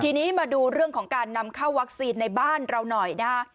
ทีนี้มาดูเรื่องของการนำเข้าวัคซีนในบ้านเราหน่อยนะฮะ